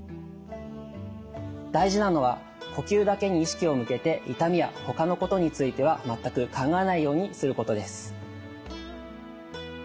大事なのは呼吸だけに意識を向けて痛みや他のことについては全く考えないようにすることです。